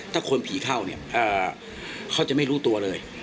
ถ้าคนผีเข้าเนี่ยเขาจะไม่รู้ตัวเลย